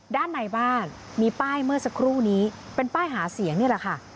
ด้านในบ้านมีป้ายเมื่อสักครู่นี้เป็นป้ายหาเสียงนี่แหละค่ะ